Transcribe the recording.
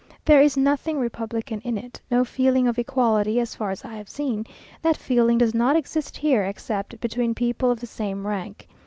There is nothing republican in it; no feeling of equality; as far as I have seen, that feeling does not exist here, except between people of the same rank.